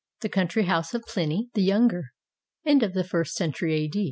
] THE COUNTRY HOUSE OF PLINY THE YOUNGER [End of the first century a.